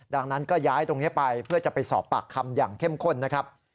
ดังนั้นก็ย้ายตรงนี้ไปเพื่อจะไปสอบปากคำอย่างเข้มข้นนะครับ